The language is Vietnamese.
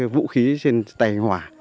vũ khí trên tay hòa